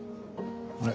あれ？